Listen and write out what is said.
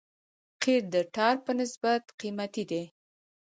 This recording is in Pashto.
قیر د ټار په نسبت قیمتي دی